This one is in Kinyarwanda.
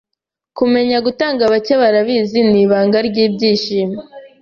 Kumenya gutanga, bake barabizi, nibanga ryibyishimo